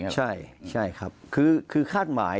ใช่คือคาดหมาย